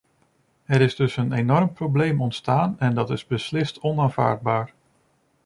Er is dus een enorm probleem ontstaan, en dat is beslist onaanvaardbaar.